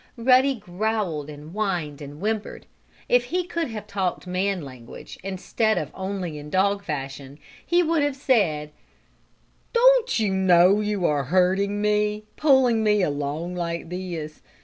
Ruddy growled and whined and whimpered. If he could have talked man language, instead of only in dog fashion, he would have said: "Don't you know you are hurting me, pulling me along like this?